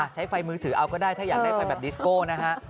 ใช้ไฟมือถือเอาก็ได้ถ้าอยากได้ไฟแบบดิสโก้นะฮะ